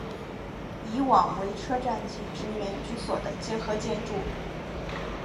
以往为车站及职员居所的结合建筑。